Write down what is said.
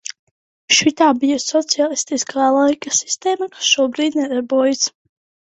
Šitā bija sociālistiskā laika sistēma, kura šobrīd nedarbojas.